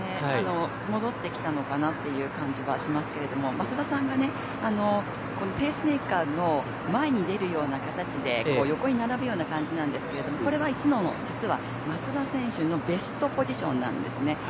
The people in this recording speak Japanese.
戻ってきたのかなっていう感じはしますけれども松田さんがペースメーカーの前に出るような形で横に並ぶような感じなんですけどこれは実は松田選手のベストポジションなんですね。